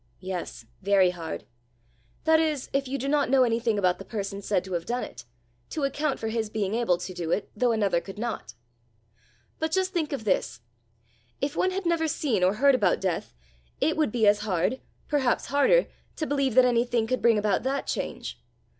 "Yes, very hard that is, if you do not know anything about the person said to have done it, to account for his being able to do it though another could not. But just think of this: if one had never seen or heard about death, it would be as hard, perhaps harder, to believe that anything could bring about that change.